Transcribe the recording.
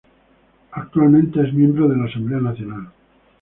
Es actualmente miembro de la Asamblea Nacional.